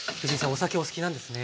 お酒お好きなんですね。